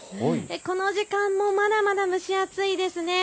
この時間もまだまだ蒸し暑いです。